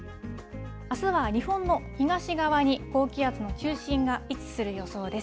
あすは日本の東側に高気圧の中心が位置する予想です。